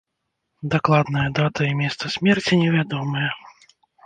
Дакладная дата і месца смерці невядомыя.